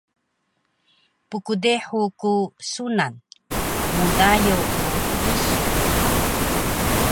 Pkdehu ku sunan, mdayo ku isu